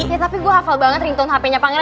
ya tapi gue hafal banget ringtone hapenya pangeran